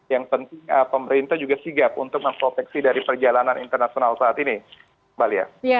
yang penting pemerintah juga sigap untuk memproteksi dari perjalanan internasional saat ini mbak lia